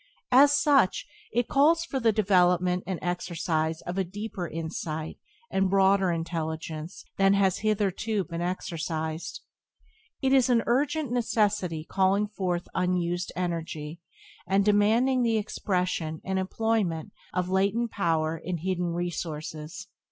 As such, it calls for the development and exercise of a deeper insight and broader intelligence than has hitherto been exercised. It is an urgent necessity calling forth unused energy, and demanding the expression and employment of latent power and hidden resources.